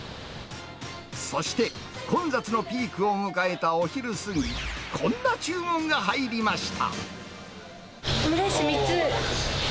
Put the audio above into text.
そして、混雑のピークを迎えたお昼過ぎ、こんな注文が入りました。